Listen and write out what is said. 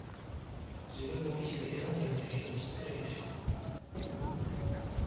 自分の意思で選んでやってる人に失礼でしょ。